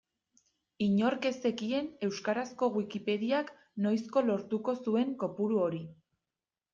Inork ez zekien euskarazko Wikipediak noizko lortuko zuen kopuru hori.